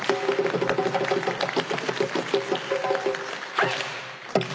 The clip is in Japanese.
はい！